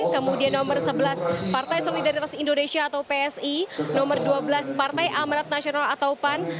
kemudian nomor sebelas partai solidaritas indonesia atau psi nomor dua belas partai amarat nasional atau pan